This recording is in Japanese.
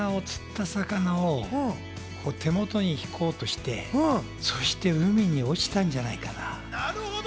釣った魚を手元に引こうとして、そして海に落ちたんじゃないかな。